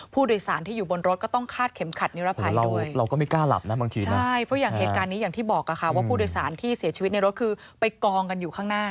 ผู้โดยสารที่อยู่บนรถก็ต้องฆาตเข็มขัดนิรภัยด้วย